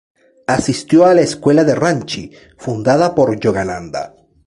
Asistió a la escuela de Ranchi, fundada por Yogananda.